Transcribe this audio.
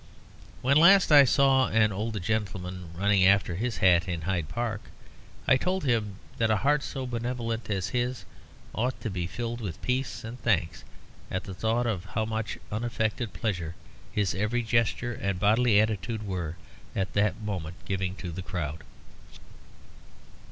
When last I saw an old gentleman running after his hat in Hyde Park, I told him that a heart so benevolent as his ought to be filled with peace and thanks at the thought of how much unaffected pleasure his every gesture and bodily attitude were at that moment giving to the crowd.